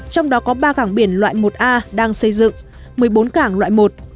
trong đó có ba cảng biển loại một a đang xây dựng một mươi bốn cảng loại một